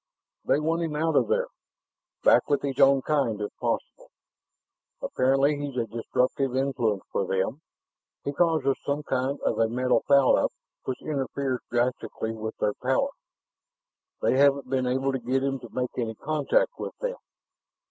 "They want him out of there, back with his own kind if possible. Apparently he's a disruptive influence for them; he causes some kind of a mental foul up which interferes drastically with their 'power.' They haven't been able to get him to make any contact with them.